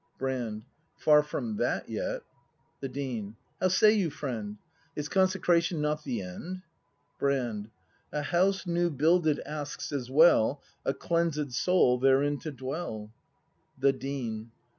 Brand. Far from that yet. The Dean. How say you, friend ? Is Consecration not the end ? Brand. A House new builded asks, as well, A cleansed Soul, therein to dwell. The Dean.